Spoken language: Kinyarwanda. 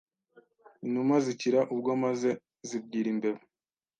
inuma zikira ubwo Maze zibwira imbeba